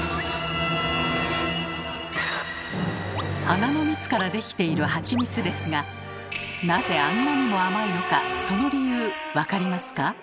花の蜜からできているハチミツですがなぜあんなにも甘いのかその理由分かりますか？